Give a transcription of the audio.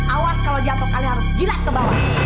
awas kalau jatuh kalian harus jilat ke bawah